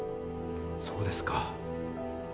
そうですか。